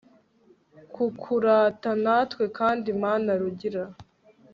kukurata, natwe kandi mana rugira